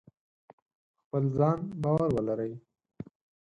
په خپل ځان باور ولرئ.